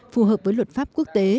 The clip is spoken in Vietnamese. phù hợp với luật pháp quốc tế